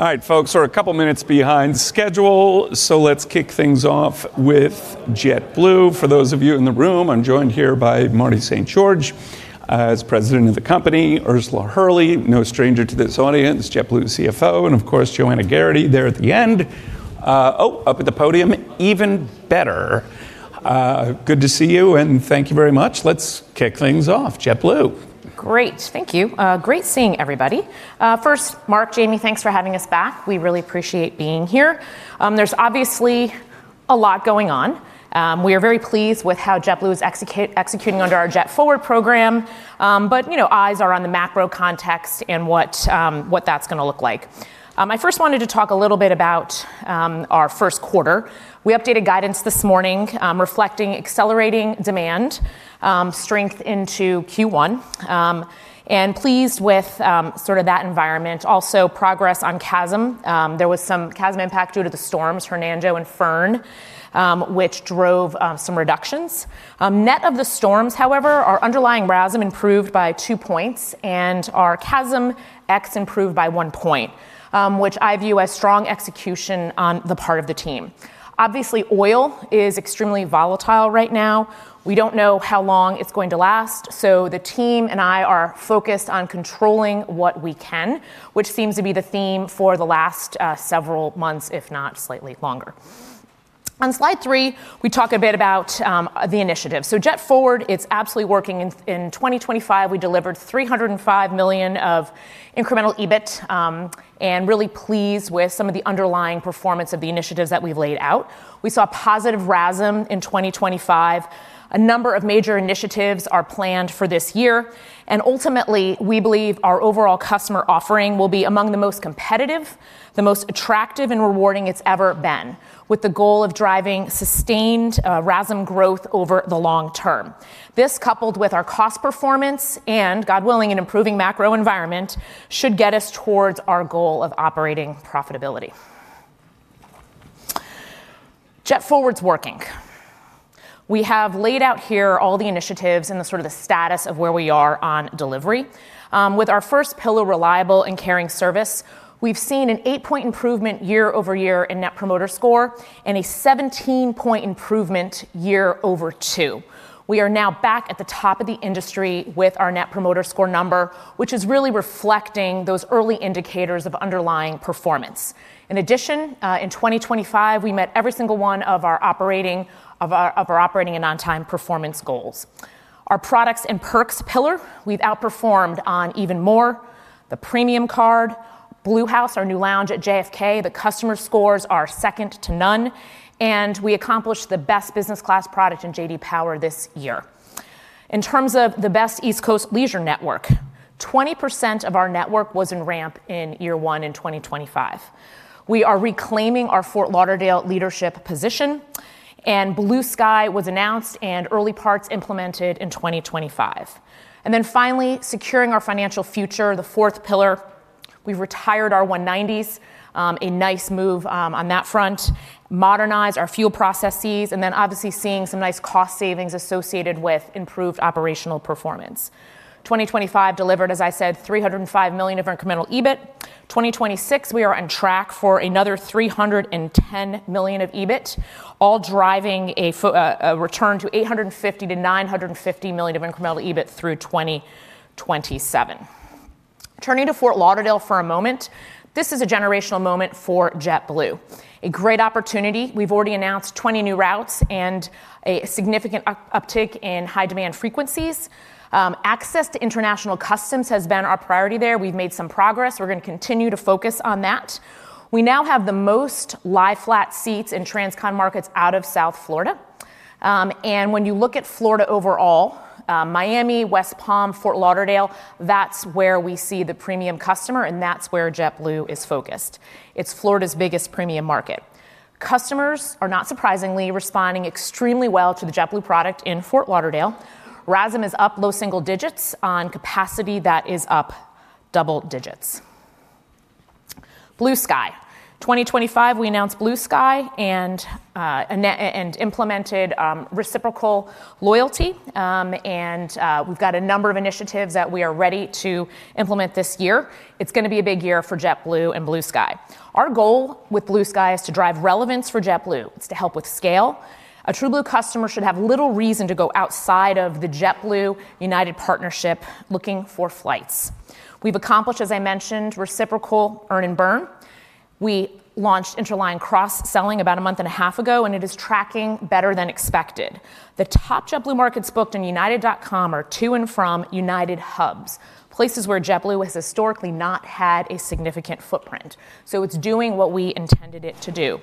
All right, folks, we're a couple minutes behind schedule, so let's kick things off with JetBlue. For those of you in the room, I'm joined here by Marty St. George, as President of the company, Ursula Hurley, no stranger to this audience, JetBlue CFO, and of course, Joanna Geraghty there at the end, oh, up at the podium. Even better. Good to see you, and thank you very much. Let's kick things off. JetBlue. Great. Thank you. Great seeing everybody. First, Mark, Jamie, thanks for having us back. We really appreciate being here. There's obviously a lot going on. We are very pleased with how JetBlue is executing under our JetForward program, but, you know, eyes are on the macro context and what that's gonna look like. I first wanted to talk a little bit about our first quarter. We updated guidance this morning, reflecting accelerating demand, strength into Q1, and pleased with sort of that environment. Also, progress on CASM. There was some CASM impact due to the storms, Fernando and Fern, which drove some reductions. Net of the storms, however, our underlying RASM improved by two points, and our CASM ex improved by one point, which I view as strong execution on the part of the team. Obviously, oil is extremely volatile right now. We don't know how long it's going to last, so the team and I are focused on controlling what we can, which seems to be the theme for the last several months, if not slightly longer. On slide three, we talk a bit about the initiative. JetForward, it's absolutely working. In 2025, we delivered $305 million of incremental EBIT, and really pleased with some of the underlying performance of the initiatives that we've laid out. We saw positive RASM in 2025. A number of major initiatives are planned for this year. Ultimately, we believe our overall customer offering will be among the most competitive, the most attractive and rewarding it's ever been, with the goal of driving sustained RASM growth over the long term. This, coupled with our cost performance and, God willing, an improving macro environment, should get us towards our goal of operating profitability. JetForward's working. We have laid out here all the initiatives and the sort of the status of where we are on delivery. With our first pillar, reliable and caring service, we've seen an eight-point improvement year-over-year in Net Promoter Score and a 17-point improvement year over two. We are now back at the top of the industry with our Net Promoter Score number, which is really reflecting those early indicators of underlying performance. In addition, in 2025, we met every single one of our operating and on-time performance goals. Our products and perks pillar, we've outperformed on even more. The premium card, BlueHouse, our new lounge at JFK, the customer scores are second to none, and we accomplished the best business class product in J.D. Power this year. In terms of the best East Coast leisure network, 20% of our network was in ramp in year one in 2025. We are reclaiming our Fort Lauderdale leadership position, and Blue Sky was announced and early parts implemented in 2025. Then finally, securing our financial future, the fourth pillar, we've retired our E190s, a nice move on that front, modernized our fuel processes, and then obviously seeing some nice cost savings associated with improved operational performance. 2025 delivered, as I said, $305 million of incremental EBIT. 2026, we are on track for another $310 million of EBIT, all driving a return to $850 million-$950 million of incremental EBIT through 2027. Turning to Fort Lauderdale for a moment, this is a generational moment for JetBlue, a great opportunity. We've already announced 20 new routes and a significant uptick in high-demand frequencies. Access to international customs has been our priority there. We've made some progress. We're gonna continue to focus on that. We now have the most lie-flat seats in transcon markets out of South Florida. When you look at Florida overall, Miami, West Palm, Fort Lauderdale, that's where we see the premium customer, and that's where JetBlue is focused. It's Florida's biggest premium market. Customers are, not surprisingly, responding extremely well to the JetBlue product in Fort Lauderdale. RASM is up low single digits on capacity that is up double digits. Blue Sky. 2025, we announced Blue Sky and implemented reciprocal loyalty. We've got a number of initiatives that we are ready to implement this year. It's gonna be a big year for JetBlue and Blue Sky. Our goal with Blue Sky is to drive relevance for JetBlue. It's to help with scale. A TrueBlue customer should have little reason to go outside of the JetBlue United partnership looking for flights. We've accomplished, as I mentioned, reciprocal earn and burn. We launched interline cross-selling about a month and a half ago, and it is tracking better than expected. The top JetBlue markets booked on united.com are to and from United hubs, places where JetBlue has historically not had a significant footprint. It's doing what we intended it to do.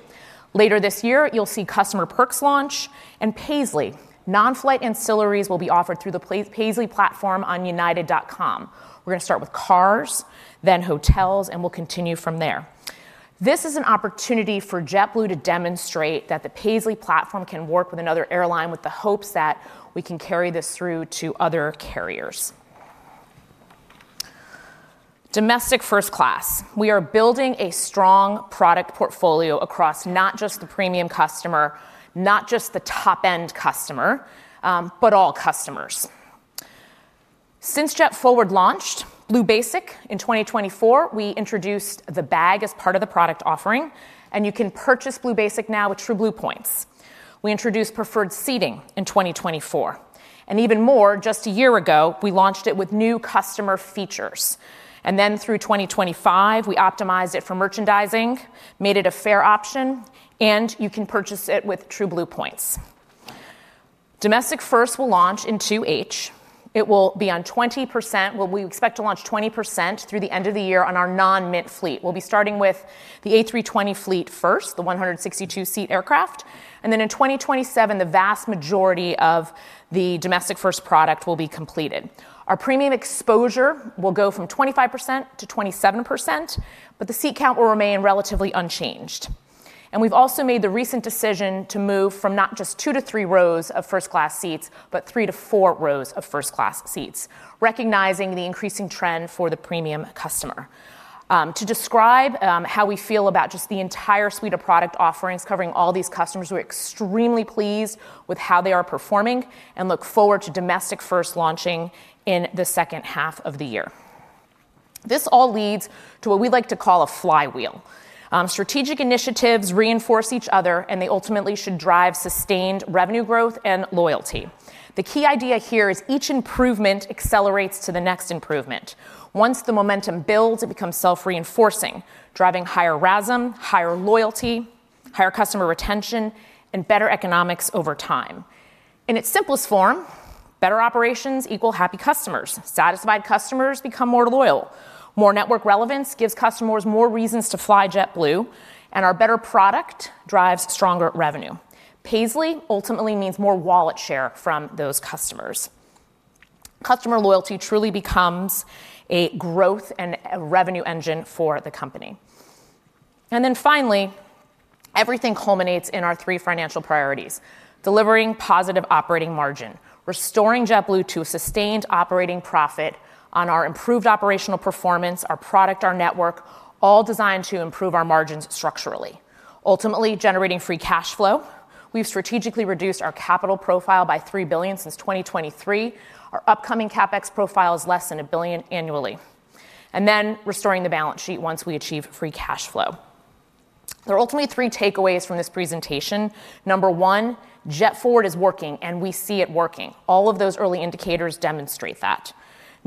Later this year, you'll see customer perks launch and Paisly. Non-flight ancillaries will be offered through the Paisly platform on united.com. We're gonna start with cars, then hotels, and we'll continue from there. This is an opportunity for JetBlue to demonstrate that the Paisly platform can work with another airline with the hopes that we can carry this through to other carriers. Domestic first class. We are building a strong product portfolio across not just the premium customer, not just the top-end customer, but all customers. Since JetForward launched Blue Basic in 2024, we introduced the bag as part of the product offering, and you can purchase Blue Basic now with TrueBlue points. We introduced preferred seating in 2024. EvenMore, just a year ago, we launched it with new customer features. Through 2025, we optimized it for merchandising, made it a fare option, and you can purchase it with TrueBlue points. Domestic First will launch in 2H. It will be on 20%. Well, we expect to launch 20% through the end of the year on our non-Mint fleet. We'll be starting with the A320 fleet first, the 162-seat aircraft. In 2027, the vast majority of the Domestic First product will be completed. Our premium exposure will go from 25% to 27%, but the seat count will remain relatively unchanged. We've also made the recent decision to move from not just two to three rows of first class seats, but three to four rows of first class seats, recognizing the increasing trend for the premium customer. To describe how we feel about just the entire suite of product offerings covering all these customers, we're extremely pleased with how they are performing and look forward to Domestic First launching in the second half of the year. This all leads to what we like to call a flywheel. Strategic initiatives reinforce each other, and they ultimately should drive sustained revenue growth and loyalty. The key idea here is each improvement accelerates to the next improvement. Once the momentum builds, it becomes self-reinforcing, driving higher RASM, higher loyalty, higher customer retention, and better economics over time. In its simplest form, better operations equal happy customers. Satisfied customers become more loyal. More network relevance gives customers more reasons to fly JetBlue, and our better product drives stronger revenue. Paisly ultimately means more wallet share from those customers. Customer loyalty truly becomes a growth and a revenue engine for the company. Finally, everything culminates in our three financial priorities, delivering positive operating margin, restoring JetBlue to a sustained operating profit on our improved operational performance, our product, our network, all designed to improve our margins structurally. Ultimately generating free cash flow. We've strategically reduced our capital profile by $3 billion since 2023. Our upcoming CapEx profile is less than $1 billion annually. Restoring the balance sheet once we achieve free cash flow. There are ultimately three takeaways from this presentation. Number one, JetForward is working, and we see it working. All of those early indicators demonstrate that.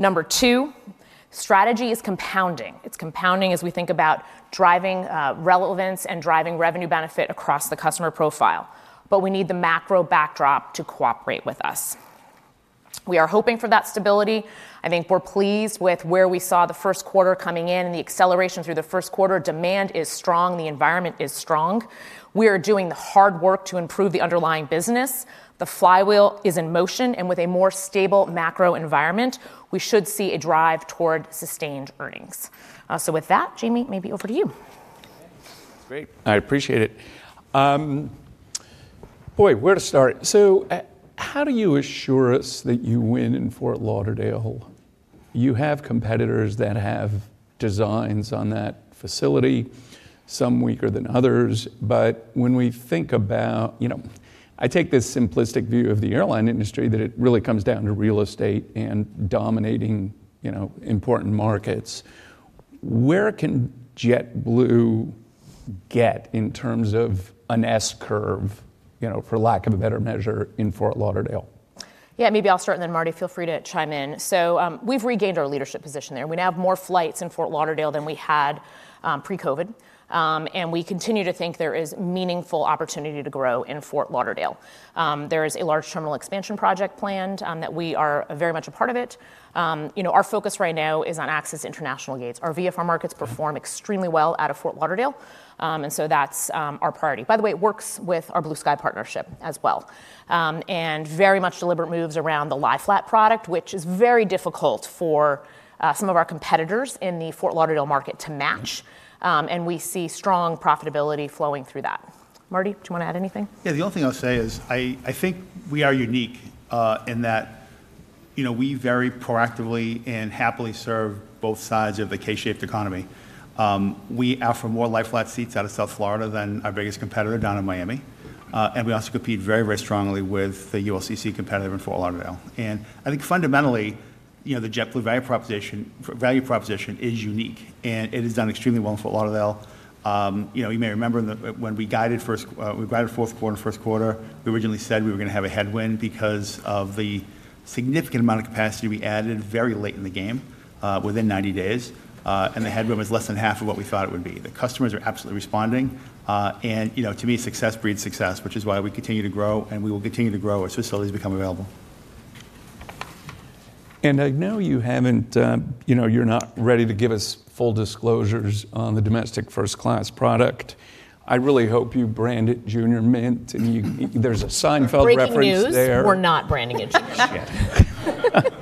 Number two, strategy is compounding. It's compounding as we think about driving relevance and driving revenue benefit across the customer profile. But we need the macro backdrop to cooperate with us. We are hoping for that stability. I think we're pleased with where we saw the first quarter coming in and the acceleration through the first quarter. Demand is strong. The environment is strong. We are doing the hard work to improve the underlying business. The flywheel is in motion, and with a more stable macro environment, we should see a drive toward sustained earnings. With that, Jamie, maybe over to you. Okay. That's great. I appreciate it. Boy, where to start? How do you assure us that you win in Fort Lauderdale? You have competitors that have designs on that facility, some weaker than others. But when we think about, you know, I take this simplistic view of the airline industry that it really comes down to real estate and dominating, you know, important markets. Where can JetBlue get in terms of an S-curve, you know, for lack of a better measure, in Fort Lauderdale? Yeah, maybe I'll start, and then Marty, feel free to chime in. We've regained our leadership position there. We now have more flights in Fort Lauderdale than we had pre-COVID. We continue to think there is meaningful opportunity to grow in Fort Lauderdale. There is a large terminal expansion project planned that we are very much a part of it. You know, our focus right now is on access international gates. Our VFR markets perform extremely well out of Fort Lauderdale, and so that's our priority. By the way, it works with our Blue Sky partnership as well. Very much deliberate moves around the lie-flat product, which is very difficult for some of our competitors in the Fort Lauderdale market to match. We see strong profitability flowing through that. Marty, do you want to add anything? Yeah, the only thing I'll say is I think we are unique in that, you know, we very proactively and happily serve both sides of the K-shaped economy. We offer more lie-flat seats out of South Florida than our biggest competitor down in Miami. And we also compete very, very strongly with the ULCC competitor in Fort Lauderdale. I think fundamentally, you know, the JetBlue value proposition is unique, and it has done extremely well in Fort Lauderdale. You know, you may remember that when we guided fourth quarter and first quarter, we originally said we were gonna have a headwind because of the significant amount of capacity we added very late in the game within 90 days. And the headwind was less than half of what we thought it would be. The customers are absolutely responding. you know, to me, success breeds success, which is why we continue to grow, and we will continue to grow as facilities become available. I know you haven't, you're not ready to give us full disclosures on the domestic first class product. I really hope you brand it Junior Mint. There's a Seinfeld reference there. Breaking news, we're not branding it Junior Mint. Shit.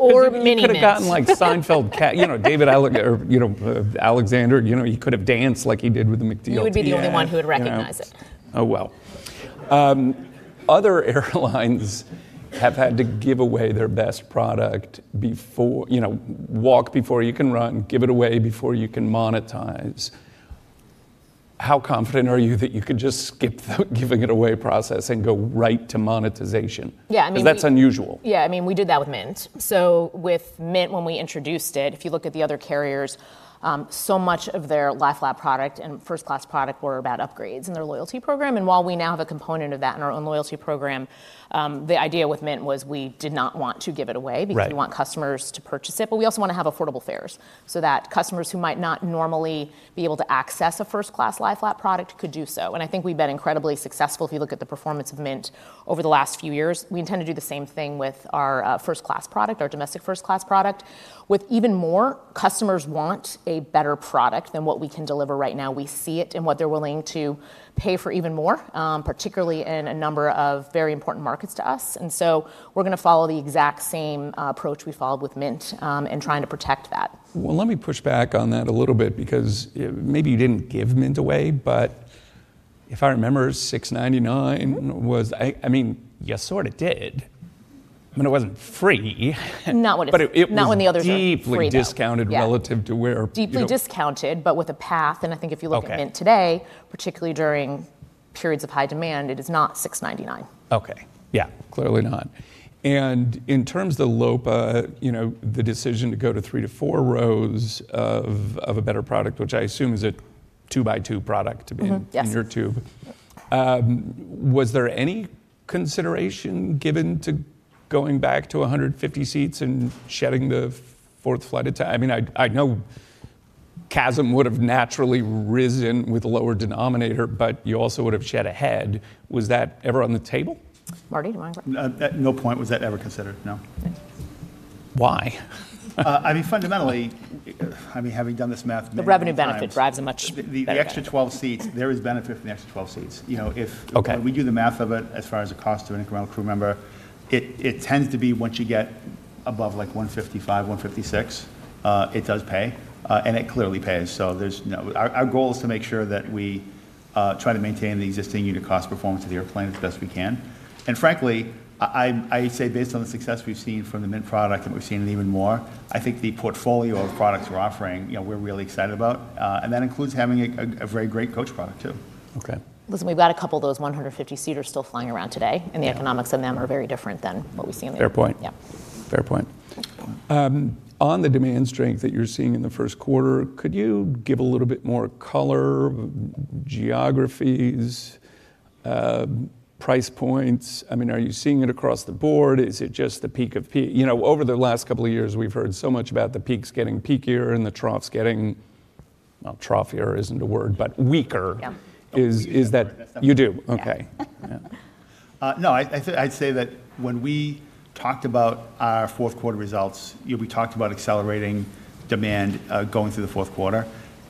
Mini Mint. You could have gotten, like, Seinfeld, you know, or, you know, Jason Alexander. You know, he could have danced like he did with the McDLT. He would be the only one who would recognize it. Oh, well. Other airlines have had to give away their best product before, you know, walk before you can run, give it away before you can monetize. How confident are you that you can just skip the giving it away process and go right to monetization? Yeah, I mean. Because that's unusual. Yeah, I mean, we did that with Mint. With Mint, when we introduced it, if you look at the other carriers, so much of their lie-flat product and first class product were about upgrades in their loyalty program. While we now have a component of that in our own loyalty program, the idea with Mint was we did not want to give it away. Right Because we want customers to purchase it, but we also want to have affordable fares so that customers who might not normally be able to access a first class lie-flat product could do so. I think we've been incredibly successful if you look at the performance of Mint over the last few years. We intend to do the same thing with our first class product, our domestic first class product, with even more customers want a better product than what we can deliver right now. We see it in what they're willing to pay for even more, particularly in a number of very important markets to us. We're gonna follow the exact same approach we followed with Mint in trying to protect that. Well, let me push back on that a little bit because maybe you didn't give Mint away, but if I remember, $6.99 was. I mean, you sort of did. I mean, it wasn't free. Not what it- It was. Not when the others are free, though. deeply discounted. Yeah relative to where, you know. Deeply discounted, but with a path. I think if you look- Okay At Mint today, particularly during periods of high demand, it is not $6.99. Okay. Yeah, clearly not. In terms of the LOPA, you know, the decision to go to three to four rows of a better product, which I assume is a 2x2 product to be in- Mm-hmm. Yes. In your A320. Was there any consideration given to going back to 150 seats and shedding the fourth flight attendant? I mean, I know CASM would have naturally risen with a lower denominator, but you also would have shed a head. Was that ever on the table? Marty, do you want to go? At no point was that ever considered, no. Thanks. Why? I mean, fundamentally, I mean, having done this math many, many times. The revenue benefit drives a much better. The extra 12 seats, there is benefit from the extra 12 seats. You know, if Okay When we do the math of it as far as the cost to an incremental crew member, it tends to be once you get above, like, 155, 156, it does pay, and it clearly pays. Our goal is to make sure that we try to maintain the existing unit cost performance of the airplane as best we can. Frankly, I say based on the success we've seen from the Mint product, and we've seen it EvenMore, I think the portfolio of products we're offering, you know, we're really excited about. That includes having a very great coach product too. Okay. Listen, we've got a couple of those 150-seaters still flying around today, and the economics in them are very different than what we see in the Fair point. Yeah. Fair point. On the demand strength that you're seeing in the first quarter, could you give a little bit more color, geographies, price points? I mean, are you seeing it across the board? Is it just the peak of peak? You know, over the last couple of years, we've heard so much about the peaks getting peakier and the troughs getting. Well, troughier isn't a word, but weaker. Yeah. Is that We use that word. That's definitely a word. You do? Okay. Yeah. Yeah. No, I'd say that when we talked about our fourth quarter results, you know, we talked about accelerating demand, going through the fourth quarter,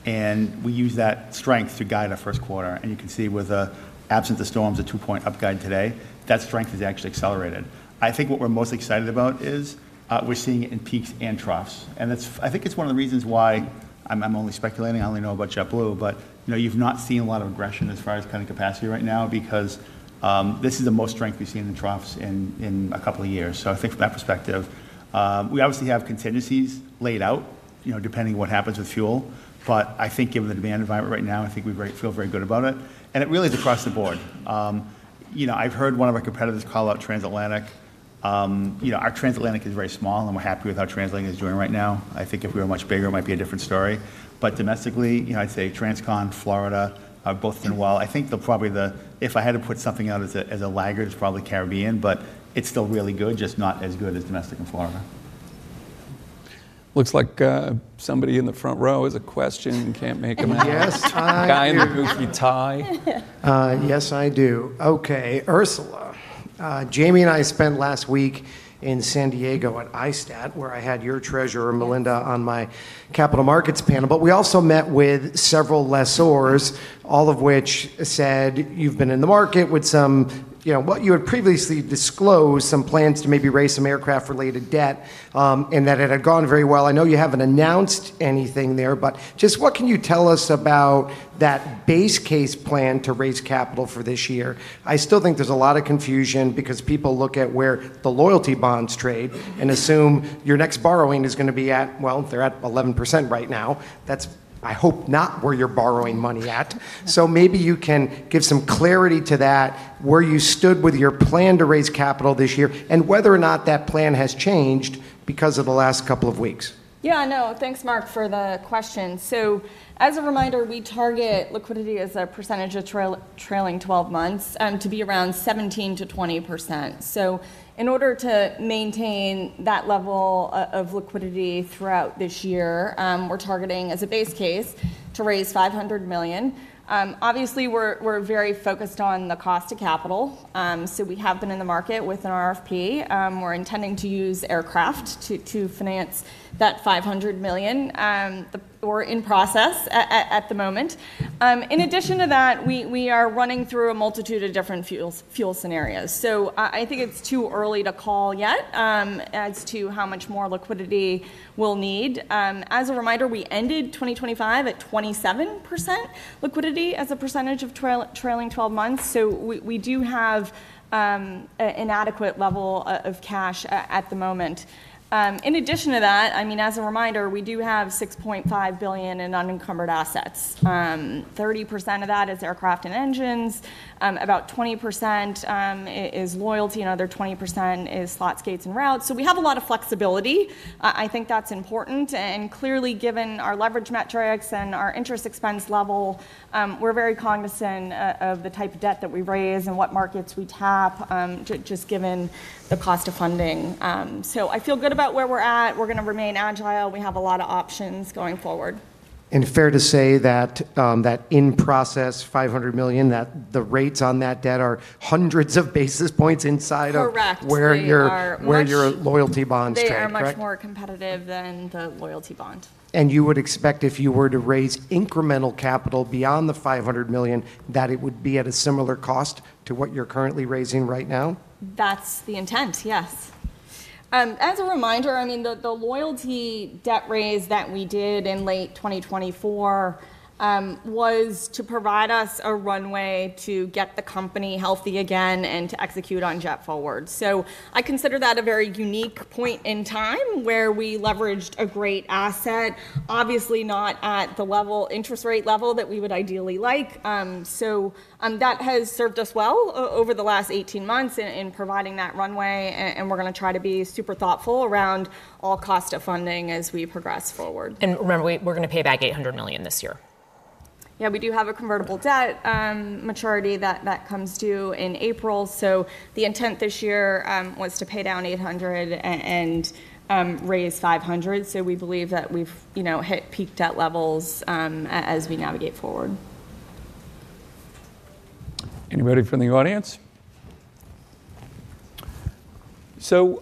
and we used that strength to guide our first quarter. You can see with, absent the storms, a two-point up guide today, that strength has actually accelerated. I think what we're most excited about is, we're seeing it in peaks and troughs, and I think it's one of the reasons why, I'm only speculating, I only know about JetBlue, but, you know, you've not seen a lot of aggression as far as cutting capacity right now because, this is the most strength we've seen in the troughs in a couple of years. I think from that perspective, we obviously have contingencies laid out, you know, depending on what happens with fuel. I think given the demand environment right now, I think we feel very good about it, and it really is across the board. You know, I've heard one of our competitors call out transatlantic. You know, our transatlantic is very small, and we're happy with how transatlantic is doing right now. I think if we were much bigger, it might be a different story. Domestically, you know, I'd say transcon, Florida, both doing well. I think probably if I had to put something out as a laggard, it's probably Caribbean, but it's still really good, just not as good as domestic and Florida. Looks like, somebody in the front row has a question and can't make them out. Yes, I do. Guy in the goofy tie. Yes, I do. Okay. Ursula, Jamie and I spent last week in San Diego at ISTAT, where I had your treasurer, Melinda, on my capital markets panel. We also met with several lessors, all of which said you've been in the market with some, you know, what you had previously disclosed some plans to maybe raise some aircraft related debt, and that it had gone very well. I know you haven't announced anything there, but just what can you tell us about that base case plan to raise capital for this year? I still think there's a lot of confusion because people look at where the loyalty bonds trade and assume your next borrowing is gonna be at, well, they're at 11% right now. That's, I hope, not where you're borrowing money at. Maybe you can give some clarity to that, where you stood with your plan to raise capital this year, and whether or not that plan has changed because of the last couple of weeks? Yeah, no. Thanks, Mark, for the question. As a reminder, we target liquidity as a percentage of trailing twelve months to be around 17%-20%. In order to maintain that level of liquidity throughout this year, we're targeting as a base case to raise $500 million. Obviously, we're very focused on the cost of capital, so we have been in the market with an RFP. We're intending to use aircraft to finance that $500 million. We're in process at the moment. In addition to that, we are running through a multitude of different fuel scenarios. I think it's too early to call yet, as to how much more liquidity we'll need. As a reminder, we ended 2025 at 27% liquidity as a percentage of trailing twelve months, so we do have an adequate level of cash at the moment. In addition to that, I mean, as a reminder, we do have $6.5 billion in unencumbered assets. 30% of that is aircraft and engines, about 20% is loyalty, another 20% is slots, gates, and routes. We have a lot of flexibility. I think that's important. Clearly, given our leverage metrics and our interest expense level, we're very cognizant of the type of debt that we raise and what markets we tap, just given the cost of funding. I feel good about where we're at. We're gonna remain agile. We have a lot of options going forward. Fair to say that in process $500 million, that the rates on that debt are hundreds of basis points inside of Correct... where your- They are much- Where your loyalty bonds trade, correct? They are much more competitive than the loyalty bond. You would expect if you were to raise incremental capital beyond the $500 million, that it would be at a similar cost to what you're currently raising right now? That's the intent, yes. As a reminder, I mean, the loyalty debt raise that we did in late 2024 was to provide us a runway to get the company healthy again and to execute on JetForward. I consider that a very unique point in time where we leveraged a great asset, obviously not at the interest rate level that we would ideally like. That has served us well over the last 18 months in providing that runway and we're gonna try to be super thoughtful around all cost of funding as we progress forward. We're gonna pay back $800 million this year. Yeah, we do have a convertible debt maturity that comes due in April. The intent this year was to pay down $800 and raise $500. We believe that we've, you know, hit peak debt levels as we navigate forward. Anybody from the audience?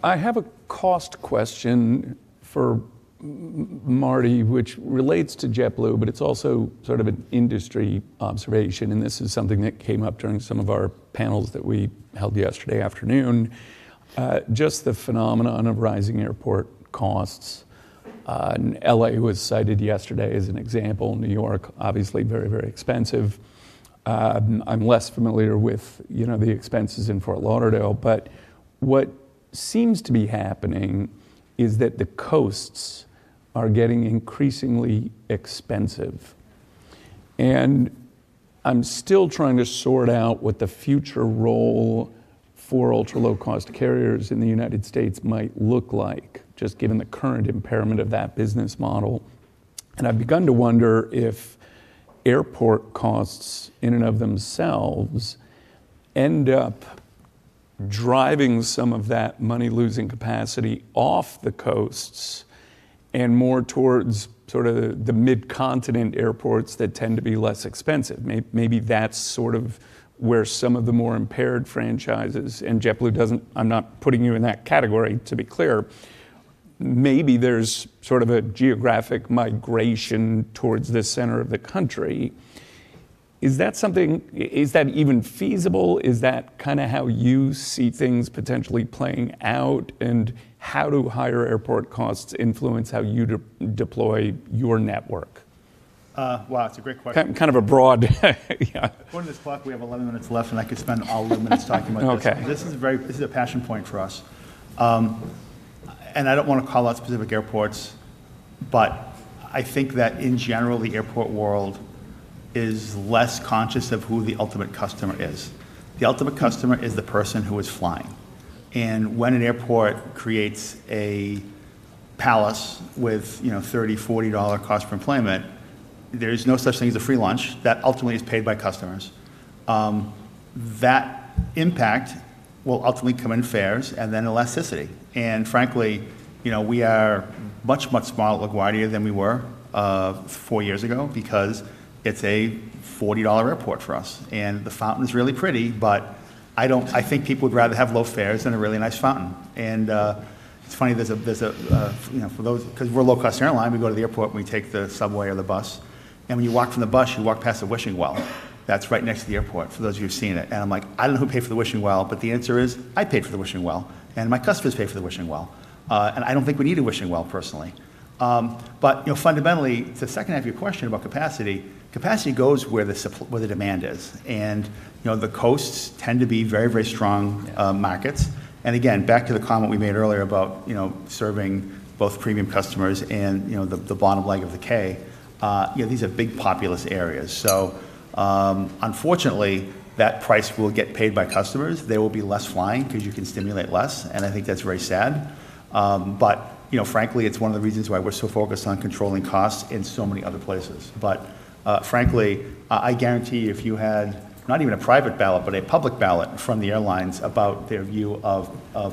I have a cost question for Marty, which relates to JetBlue, but it's also sort of an industry observation, and this is something that came up during some of our panels that we held yesterday afternoon. Just the phenomenon of rising airport costs. L.A. was cited yesterday as an example. New York, obviously very, very expensive. I'm less familiar with, you know, the expenses in Fort Lauderdale. What seems to be happening is that the coasts are getting increasingly expensive. I'm still trying to sort out what the future role for ultra-low-cost carriers in the United States might look like, just given the current impairment of that business model. I've begun to wonder if airport costs in and of themselves end up driving some of that money-losing capacity off the coasts and more towards sort of the mid-continent airports that tend to be less expensive. Maybe that's sort of where some of the more impaired franchises, and JetBlue doesn't, I'm not putting you in that category, to be clear. Maybe there's sort of a geographic migration towards the center of the country. Is that something, is that even feasible? Is that kind of how you see things potentially playing out? How do higher airport costs influence how you deploy your network? Wow, that's a great question. Kind of a broad yeah. According to this clock, we have 11 minutes left, and I could spend all 11 minutes talking about this. Okay. This is a passion point for us. I don't want to call out specific airports, but I think that in general, the airport world is less conscious of who the ultimate customer is. The ultimate customer is the person who is flying. When an airport creates a palace with, you know, $30-$40 cost per enplanement, there is no such thing as a free lunch. That ultimately is paid by customers. That impact will ultimately come in fares and then elasticity. Frankly, you know, we are much, much more LaGuardia than we were four years ago because it's a $40 airport for us. The fountain's really pretty, but I think people would rather have low fares than a really nice fountain. It's funny, there's a, you know, for those 'cause we're a low-cost airline, we go to the airport and we take the subway or the bus. When you walk from the bus, you walk past a wishing well that's right next to the airport, for those of you who've seen it. I'm like, "I don't know who paid for the wishing well," but the answer is, I paid for the wishing well, and my customers pay for the wishing well. I don't think we need a wishing well, personally. You know, fundamentally, to the second half of your question about capacity goes where the demand is. You know, the coasts tend to be very, very strong markets. Again, back to the comment we made earlier about, you know, serving both premium customers and, you know, the bottom leg of the K, you know, these are big populous areas. Unfortunately, that price will get paid by customers. There will be less flying because you can stimulate less, and I think that's very sad. You know, frankly, it's one of the reasons why we're so focused on controlling costs in so many other places. Frankly, I guarantee if you had not even a private ballot, but a public ballot from the airlines about their view of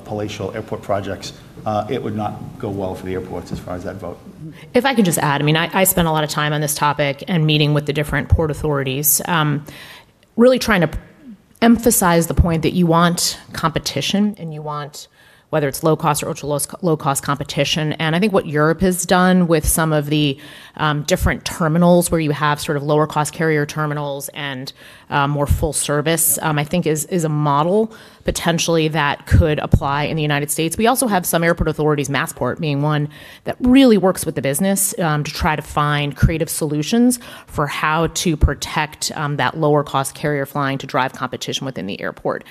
palatial airport projects, it would not go well for the airports as far as that vote. If I could just add, I mean, I spend a lot of time on this topic and meeting with the different port authorities, really trying to emphasize the point that you want competition and you want, whether it's low cost or low cost competition. I think what Europe has done with some of the different terminals where you have sort of lower cost carrier terminals and more full service, I think is a model potentially that could apply in the United States. We also have some airport authorities, Massport being one, that really works with the business to try to find creative solutions for how to protect that lower cost carrier flying to drive competition within the airport.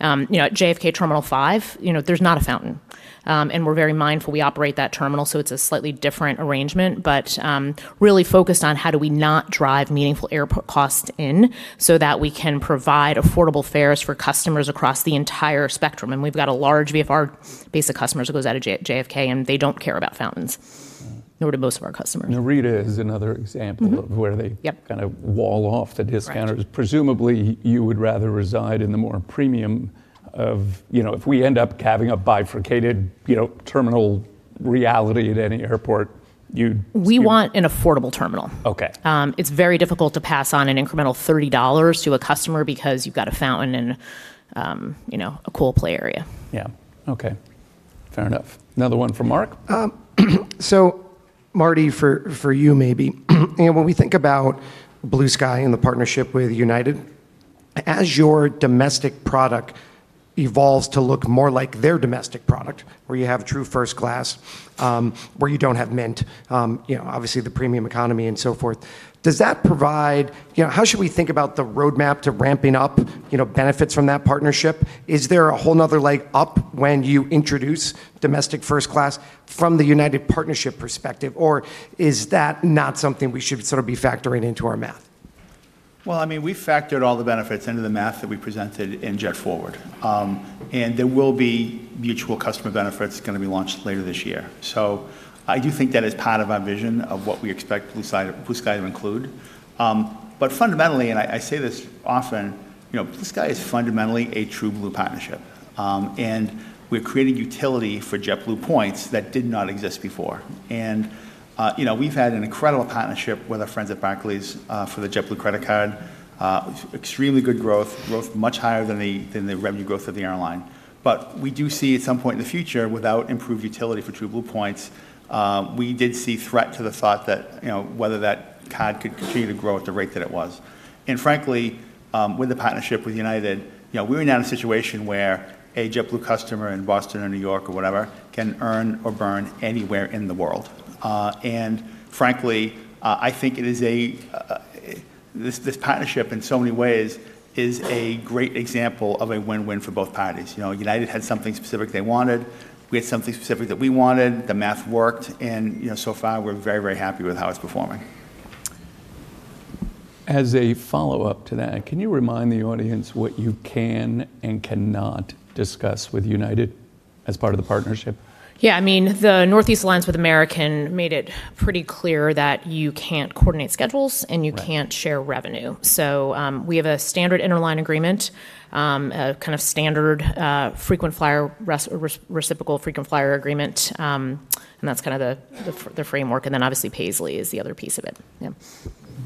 You know, at JFK Terminal 5, you know, there's not a fountain. We're very mindful we operate that terminal, so it's a slightly different arrangement. Really focused on how do we not drive meaningful airport costs in so that we can provide affordable fares for customers across the entire spectrum. We've got a large VFR base of customers that goes out of JFK, and they don't care about fountains, nor do most of our customers. Narita is another example of where they. Yep kind of wall off the discounters. Right. Presumably, you would rather reside in the more premium of, you know, if we end up having a bifurcated, you know, terminal reality at any airport, you'd We want an affordable terminal. Okay. It's very difficult to pass on an incremental $30 to a customer because you've got a fountain and, you know, a cool play area. Yeah. Okay. Fair enough. Another one for Mark. Marty, for you maybe, you know, when we think about Blue Sky and the partnership with United, as your domestic product evolves to look more like their domestic product, where you have true first class, where you don't have Mint, you know, obviously the premium economy and so forth, does that provide? You know, how should we think about the roadmap to ramping up, you know, benefits from that partnership? Is there a whole another leg up when you introduce domestic first class from the United partnership perspective? Or is that not something we should sort of be factoring into our math? Well, I mean, we factored all the benefits into the math that we presented in JetForward. There will be mutual customer benefits gonna be launched later this year. I do think that is part of our vision of what we expect Blue Sky to include. Fundamentally, I say this often, you know, Blue Sky is fundamentally a TrueBlue partnership. We're creating utility for JetBlue points that did not exist before. You know, we've had an incredible partnership with our friends at Barclays for the JetBlue credit card, extremely good growth much higher than the revenue growth of the airline. We do see at some point in the future, without improved utility for TrueBlue points, we did see threat to the thesis that, you know, whether that card could continue to grow at the rate that it was. Frankly, with the partnership with United, you know, we were now in a situation where a JetBlue customer in Boston or New York or whatever can earn or burn anywhere in the world. Frankly, I think it is a this partnership in so many ways is a great example of a win-win for both parties. You know, United had something specific they wanted. We had something specific that we wanted. The math worked and, you know, so far we're very, very happy with how it's performing. As a follow-up to that, can you remind the audience what you can and cannot discuss with United as part of the partnership? Yeah, I mean, the Northeast Alliance with American made it pretty clear that you can't coordinate schedules. Right You can't share revenue. We have a standard interline agreement, a kind of standard, frequent flyer reciprocal frequent flyer agreement, and that's kind of the framework, and then obviously Paisly is the other piece of it. Yeah.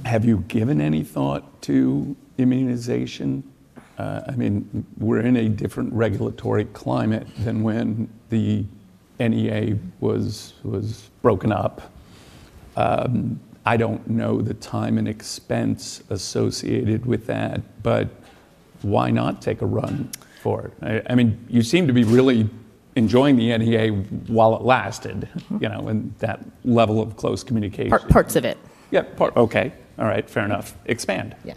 Have you given any thought to immunization? I mean, we're in a different regulatory climate than when the NEA was broken up. I don't know the time and expense associated with that, but why not take a run for it? I mean, you seem to be really enjoying the NEA while it lasted. Mm-hmm You know, and that level of close communication. Parts of it. Yeah. Okay. All right. Fair enough. Expand. Yeah.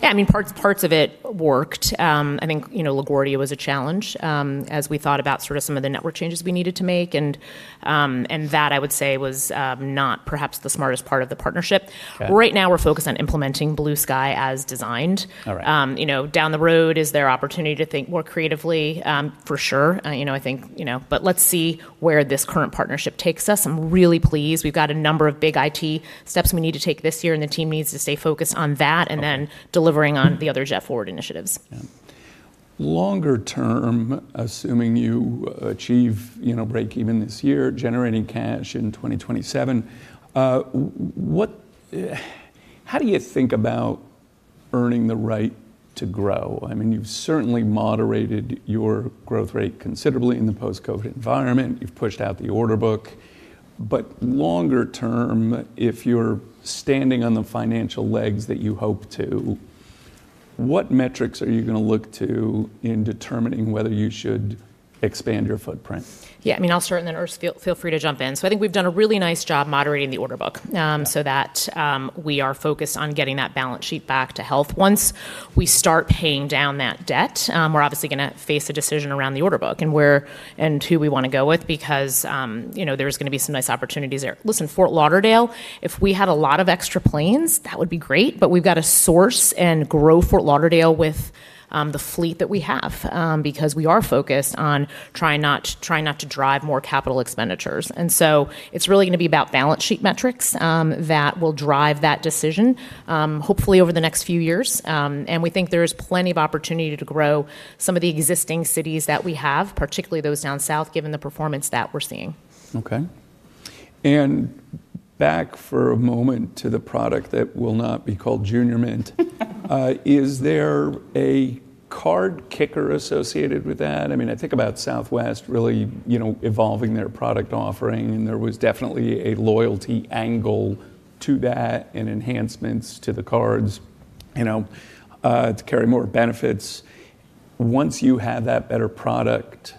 Yeah, I mean, parts of it worked. I think, you know, LaGuardia was a challenge, as we thought about sort of some of the network changes we needed to make, and that I would say was not perhaps the smartest part of the partnership. Okay. Right now we're focused on implementing Blue Sky as designed. All right. You know, down the road, is there opportunity to think more creatively? For sure. You know, I think, you know, but let's see where this current partnership takes us. I'm really pleased. We've got a number of big IT steps we need to take this year, and the team needs to stay focused on that. Okay delivering on the other JetForward initiatives. Yeah. Longer term, assuming you achieve, you know, break even this year, generating cash in 2027, how do you think about earning the right to grow? I mean, you've certainly moderated your growth rate considerably in the post-COVID environment. You've pushed out the order book. Longer term, if you're standing on the financial legs that you hope to, what metrics are you gonna look to in determining whether you should expand your footprint? Yeah. I mean, I'll start and then Urs, feel free to jump in. I think we've done a really nice job moderating the order book. Okay We are focused on getting that balance sheet back to health. Once we start paying down that debt, we're obviously gonna face a decision around the order book and where and who we wanna go with because, you know, there's gonna be some nice opportunities there. Listen, Fort Lauderdale, if we had a lot of extra planes, that would be great, but we've got to source and grow Fort Lauderdale with the fleet that we have, because we are focused on trying not to drive more capital expenditures. It's really gonna be about balance sheet metrics that will drive that decision, hopefully over the next few years. We think there's plenty of opportunity to grow some of the existing cities that we have, particularly those down south, given the performance that we're seeing. Okay. Back for a moment to the product that will not be called Junior Mint. Is there a card kicker associated with that? I mean, I think about Southwest really, you know, evolving their product offering, and there was definitely a loyalty angle to that and enhancements to the cards, you know, to carry more benefits. Once you have that better product,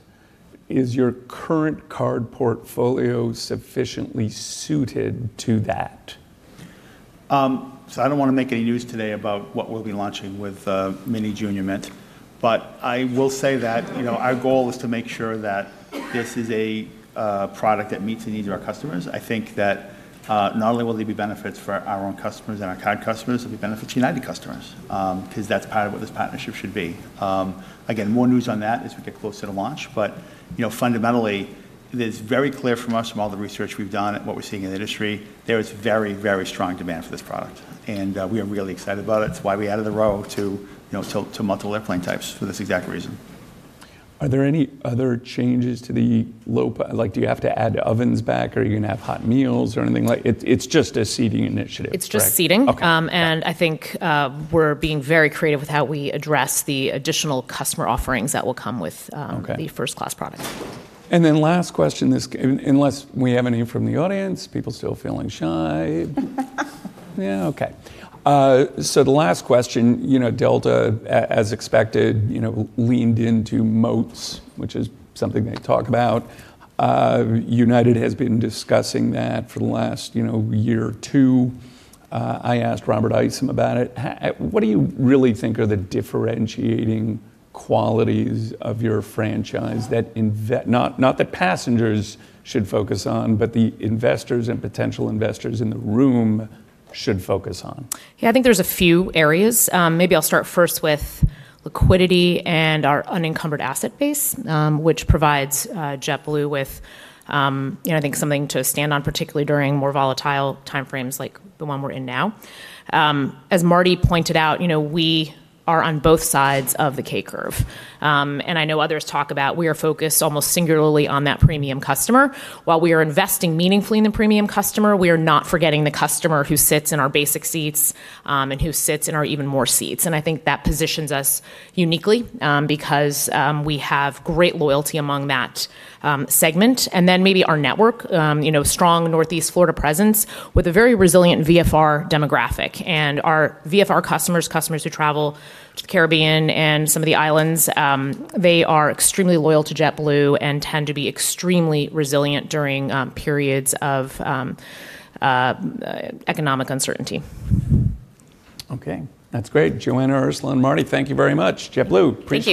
is your current card portfolio sufficiently suited to that? I don't wanna make any news today about what we'll be launching with Mini Junior Mint, but I will say that you know, our goal is to make sure that this is a product that meets the needs of our customers. I think that not only will there be benefits for our own customers and our card customers, there'll be benefits to United customers, 'cause that's part of what this partnership should be. Again, more news on that as we get closer to launch, but you know, fundamentally. It is very clear from us, from all the research we've done and what we're seeing in the industry, there is very, very strong demand for this product, and we are really excited about it. It's why we added the row to multiple airplane types for this exact reason. Are there any other changes to the LOPA? Like, do you have to add ovens back? Are you gonna have hot meals or anything like it? It's just a seating initiative, correct? It's just seating. Okay. I think we're being very creative with how we address the additional customer offerings that will come with. Okay the first class product. Last question, unless we have any from the audience. People still feeling shy. Yeah, okay. The last question. You know, Delta as expected, you know, leaned into moats, which is something they talk about. United has been discussing that for the last, you know, year or two. I asked Robert Isom about it. What do you really think are the differentiating qualities of your franchise not that passengers should focus on, but the investors and potential investors in the room should focus on? Yeah, I think there's a few areas. Maybe I'll start first with liquidity and our unencumbered asset base, which provides JetBlue with you know, I think something to stand on, particularly during more volatile timeframes like the one we're in now. As Marty pointed out, you know, we are on both sides of the K-curve. I know others talk about we are focused almost singularly on that premium customer. While we are investing meaningfully in the premium customer, we are not forgetting the customer who sits in our basic seats, and who sits in our EvenMore seats. I think that positions us uniquely, because we have great loyalty among that segment. Then maybe our network, you know, strong Northeast and Florida presence with a very resilient VFR demographic. Our VFR customers who travel to the Caribbean and some of the islands, they are extremely loyal to JetBlue and tend to be extremely resilient during periods of economic uncertainty. Okay, that's great. Joanna, Ursula, and Marty, thank you very much. JetBlue, appreciate it.